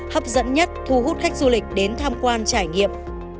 hấp dẫn nhất thu hút khách du lịch đến tham quan trải nghiệm